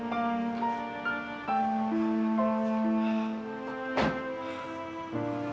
kamu adalah anak papa